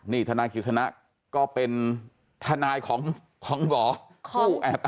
นี่ธนาคิดธนะก็เป็นธนายของของหมอ